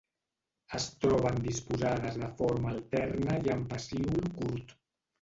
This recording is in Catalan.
Es troben disposades de forma alterna i amb pecíol curt.